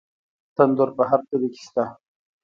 تندور په هر کلي کې شته.